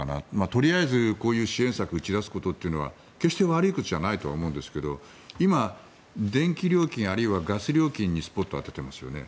とりあえずこういう支援策を打ち出すことは決して悪いことじゃないと思うんですが今、電気料金あるいはガス料金にスポットを当ててますよね。